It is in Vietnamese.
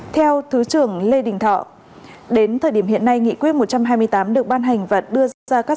theo thứ trưởng lê đình thọ đến thời điểm hiện nay nghị quyết một trăm hai mươi tám được ban hành và đưa ra các